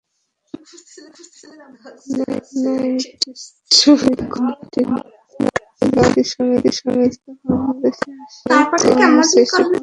Mennonite Central Committee নামের আন্তর্জাতিক সংস্থা বাংলাদেশে আসে কর্ম সৃষ্টি প্রকল্প নিয়ে।